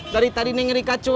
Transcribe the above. dari tadi neng rika cumes